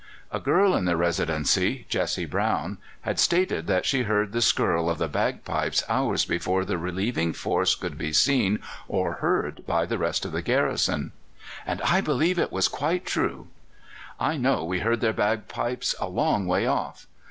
A girl in the Residency Jessie Brown had stated that she heard the skirl of the bagpipes hours before the relieving force could be seen or heard by the rest of the garrison, "and I believe it was quite true. I know we heard their bagpipes a long way off.